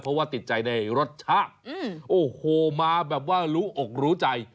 เพราะว่าติดใจในรสชาติโอ้โหมาแบบว่ารู้อกรู้ใจ